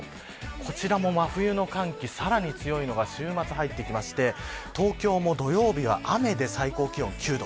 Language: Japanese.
こちらも真冬の寒気、さらに強いのが週末入ってきて東京も土曜日は雨で最高気温９度。